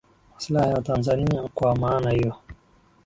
maslahi ya watanzania kwa maana hiyo